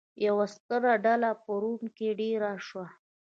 یوه ستره ډله په روم کې دېره شوه.